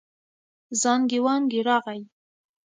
زانګې وانګې راغی.